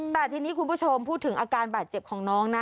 แต่ทีนี้คุณผู้ชมพูดถึงอาการบาดเจ็บของน้องนะ